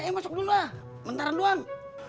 ayo masuk dulu lah bentaran doang